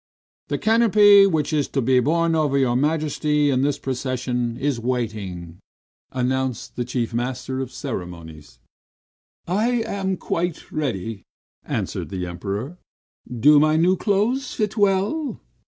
"The canopy which is to be borne over your Majesty, in the procession, is waiting," announced the chief master of the ceremonies. "I am quite ready," answered the Emperor. "Do my new clothes fit well?"